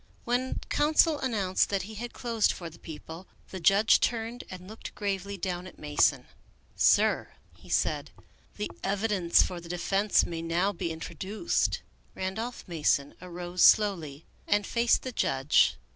When counsel announced that he had closed for the People, the judge turned and looked gravely down at Mason. " Sir," he said, " the evidence for the defense may now be introduced." Randolph Mason arose slowly and faced the judge.